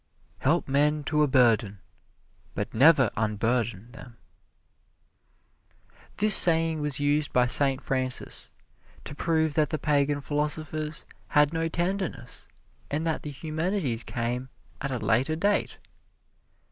"Help men to a burden, but never unburden them." This saying was used by Saint Francis to prove that the pagan philosophers had no tenderness, and that the humanities came at a later date.